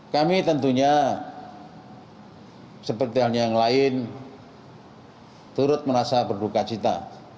kami tentunya seperti halnya yang lain turut merasa berduka cita